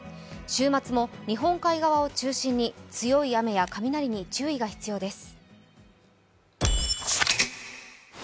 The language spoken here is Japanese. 週末も日本海側を中心に強い雨や雷に注意が必要です。